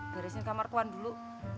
barisnya kamar tuan dulu